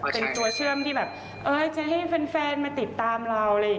เป็นตัวเชื่อมที่แบบจะให้แฟนมาติดตามเรา